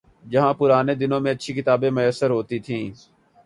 جہاں پرانے دنوں میں اچھی کتابیں میسر ہوتی تھیں۔